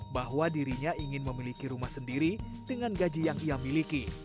bahwa dirinya ingin memiliki rumah sendiri dengan gaji yang ia miliki